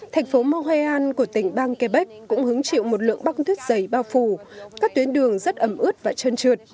thành phố montreal của tỉnh bang quebec cũng hứng chịu một lượng băng tuyết dày bao phủ các tuyến đường rất ấm ướt và trơn trượt